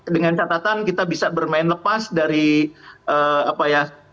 dengan catatan kita bisa bermain lepas dari apa ya